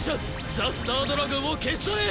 ザ・スタードラゴンを消し去れい！